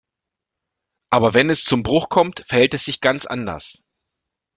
Aber wenn es zum Bruch kommt, verhält es sich ganz anders.